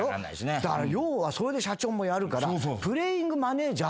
だから要はそれで社長もやるからプレイングマネージャー。